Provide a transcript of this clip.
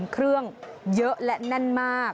เครื่องเยอะและแน่นมาก